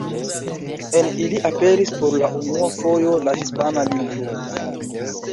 En ili aperis por la unua fojo la hispana lingvo.